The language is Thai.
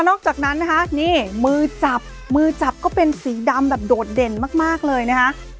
อกจากนั้นนะคะนี่มือจับมือจับก็เป็นสีดำแบบโดดเด่นมากเลยนะคะ